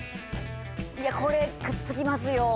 いやこれくっつきますよ